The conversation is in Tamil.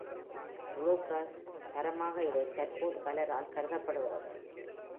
புளூகிராஸ் தரமாக இதை தற்போது பலரால் கருதப்படுகிறது.